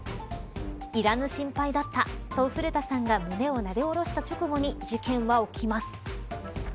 いらぬ心配だったと古田さんが胸をなでおろした直後に事件は起きます。